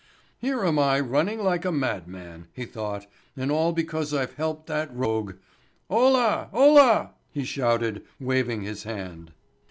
"Here am I running like a madman," he thought, "and all because I've helped that rogue! Ola, Ola!" he shouted, waving his hand.